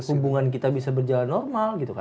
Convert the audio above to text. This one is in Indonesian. hubungan kita bisa berjalan normal gitu kan